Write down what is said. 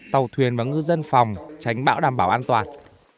tàu thuyền và ngư dân phòng tránh bão đảm bảo an toàn